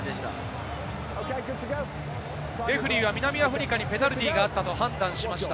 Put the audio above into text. レフェリーは南アフリカにペナルティーがあったと判断しました。